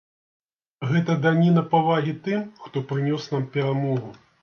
Гэта даніна павагі тым, хто прынёс нам перамогу.